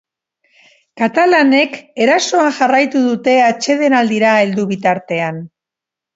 Katalanek erasoan jarraitu dute atsedenaldira heldu bitartean.